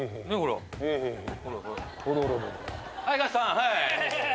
はい！